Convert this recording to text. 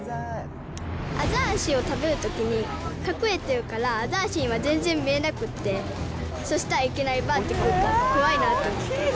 アザラシを食べるときに、隠れてるからアザラシには全然見えなくって、そしたらいきなり、ばって来るから、怖いなと思って。